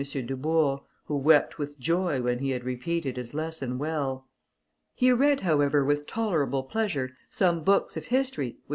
Dubourg, who wept with joy when he had repeated his lesson well. He read, however, with tolerable pleasure, some books of history which M.